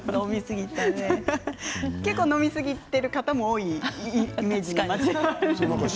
結構、飲みすぎてる方も多いイメージですね。